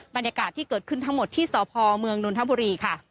บรรยากาศที่เกิดขึ้นทั้งหมดที่สพเมืองนนทบุรีค่ะ